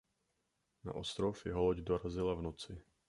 Na ostrov jeho loď dorazila v noci.